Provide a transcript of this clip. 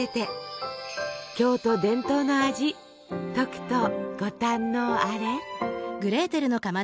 京都伝統の味とくとご堪能あれ！